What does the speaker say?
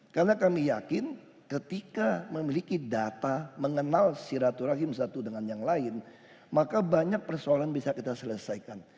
karena kami yakin ketika memiliki data mengenal siraturahim satu dengan yang lain maka banyak persoalan bisa kita selesaikan